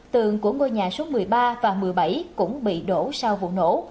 tường của ngôi nhà số một mươi ba và một mươi bảy cũng bị đổ sau vụ nổ